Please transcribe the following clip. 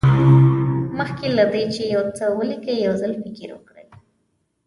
مخکې له دې چې یو څه ولیکئ یو ځل فکر وکړئ.